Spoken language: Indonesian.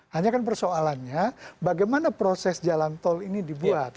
hanya kan persoalannya bagaimana proses jalan tol ini dibuat